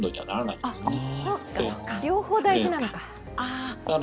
そうか両方大事なのか。